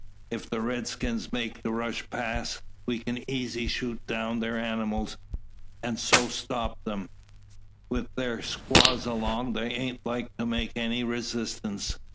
If the redskins make to rush past, we kin eezy shoot down thar animals, an' so stop 'em. Wi' thar squaws along, they ain't like to make any resistance.